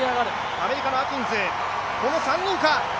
アメリカのアキンズ、この３人か？